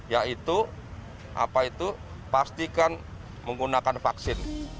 yaitu apa itu pastikan menggunakan vaksin